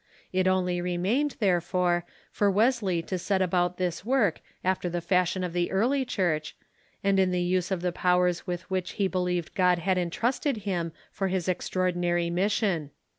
It only remained, therefore, for Wesley to set about this work after the fashion of the early Church, and in the use of the powers with which he believed God had intrusted him for his extraordinary mission.